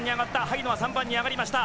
萩野は３番に上がった。